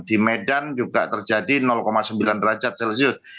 di medan juga terjadi sembilan derajat celcius